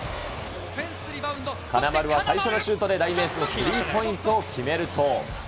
金丸は最初のシュートで代名詞のスリーポイントを決めると。